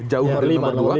jauh dari nomor dua